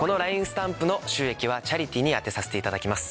スタンプの収益はチャリティーに充てさせていただきます。